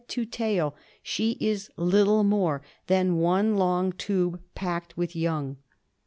to tail she is little more than one long tube packed with young.